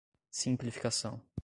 Simplificação